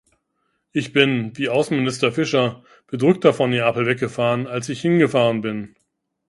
Ich bin, wie Außenminister Fischer, bedrückter von Neapel weggefahren, als ich hingefahren bin.